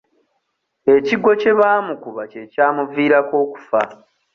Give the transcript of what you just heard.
Ekigwo kye baamukuba kye kyamuviirako okufa.